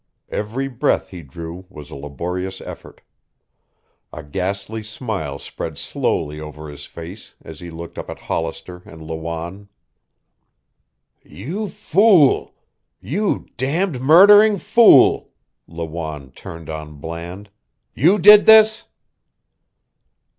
Every breath he drew was a laborious effort. A ghastly smile spread slowly over his face as he looked up at Hollister and Lawanne. "You fool. You damned, murdering fool!" Lawanne turned on Bland. "You did this?"